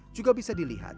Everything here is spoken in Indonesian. juga bisa dilihat